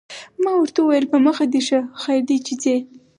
ما ورته وویل: په مخه دې ښه، خیر دی چې ځې.